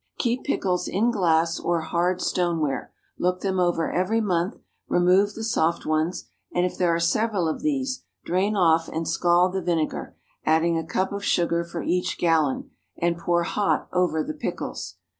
Keep pickles in glass or hard stoneware; look them over every month; remove the soft ones, and if there are several of these, drain off and scald the vinegar, adding a cup of sugar for each gallon, and pour hot over the pickles.